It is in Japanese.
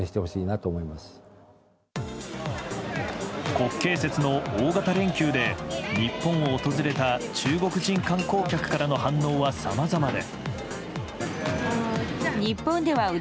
国慶節の大型連休で日本を訪れた中国人観光客からの反応は、さまざまで。